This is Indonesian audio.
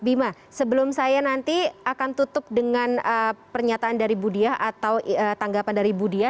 cuma sebelum saya nanti akan tutup dengan pernyataan dari budia atau tanggapan dari budia